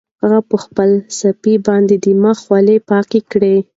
هغه په خپله صافه باندې د مخ خولې پاکې کړې.